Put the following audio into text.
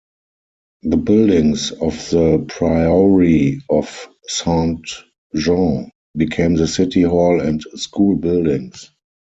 The buildings of the Priory of Saint-Jean became the City Hall and school buildings.